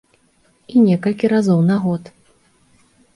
І некалькі разоў на год.